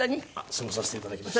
過ごさせていただきました。